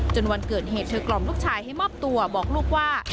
วันเกิดเหตุเธอกล่อมลูกชายให้มอบตัวบอกลูกว่า